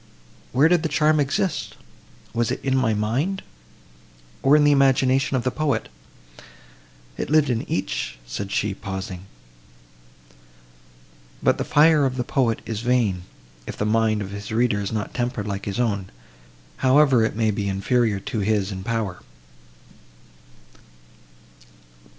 Where did the charm exist?—Was it in my mind, or in the imagination of the poet? It lived in each," said she, pausing. "But the fire of the poet is vain, if the mind of his reader is not tempered like his own, however it may be inferior to his in power."